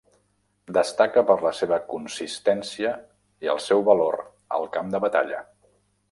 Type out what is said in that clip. Destaca per la seva consistència i el seu valor al camp de batalla.